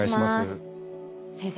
先生